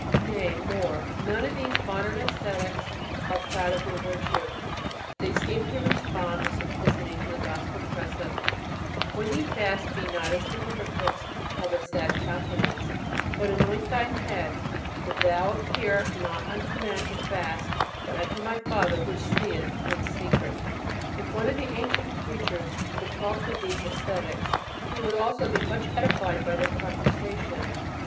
Nay, more: none of these modern ascetics are proud of their virtue, they seem to respond with simplicity to the gospel precept: "When ye fast, be not as the hypocrites, of a sad countenance ... but anoint thine head, that thou appear not unto men to fast, but unto thy Father which seeth in secret." If one of the ancient preachers could talk to these ascetics, he would also be much edified by their conversation.